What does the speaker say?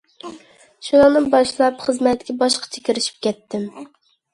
شۇنىڭدىن باشلاپ، خىزمەتكە باشقىچە كىرىشىپ كەتتىم.